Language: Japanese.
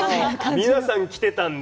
皆さん着てたんで。